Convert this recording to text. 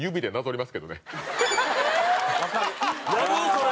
それ。